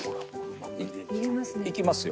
いきますよ。